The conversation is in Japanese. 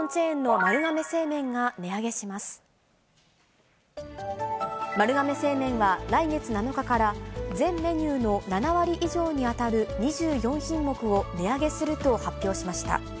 丸亀製麺は来月７日から、全メニューの７割以上に当たる２４品目を値上げすると発表しました。